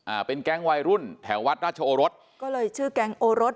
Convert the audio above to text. อ่าเป็นแก๊งวัยรุ่นแถววัดราชโอรสก็เลยชื่อแก๊งโอรส